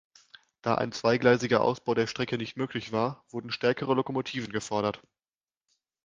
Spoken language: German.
Da ein zweigleisiger Ausbau der Strecke nicht möglich war, wurden stärkere Lokomotiven gefordert.